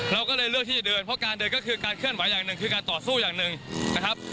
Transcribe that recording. เราก็เลยเลือกที่จะเดินเพราะการเดินก็คือการเคลื่อนไหวอย่างหนึ่งคือการต่อสู้อย่างหนึ่งนะครับ